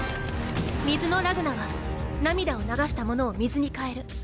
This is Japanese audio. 水のラグナは涙を流した者を水に変える。